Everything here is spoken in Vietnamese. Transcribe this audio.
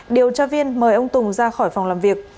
điều tra viên mời ông tùng ra khỏi phòng làm việc